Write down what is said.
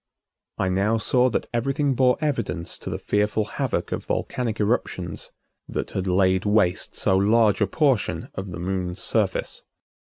I now saw that everything bore evidence to the fearful havoc of volcanic eruptions that had laid waste so large a portion of the Moon's surface.